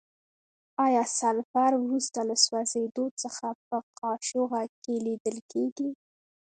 آیا سلفر وروسته له سوځیدو څخه په قاشوغه کې لیدل کیږي؟